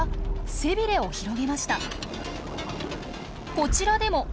こちらでも。